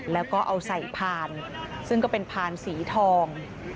แล้วก็เอาใส่พานซึ่งก็เป็นพานสีทอง